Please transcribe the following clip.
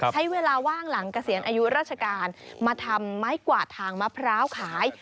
ใช้เวลาว่างหลังเกษียณอายุราชการมาทำไม้กวาดทางมะพร้าวขาย